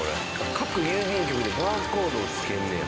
各郵便局でバーコードを付けんねや。